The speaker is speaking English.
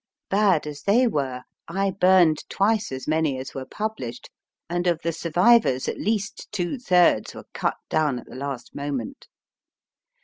Bad as they were, I burned twice as many as were published, and of the survivors at least two thirds were cut down at the last moment.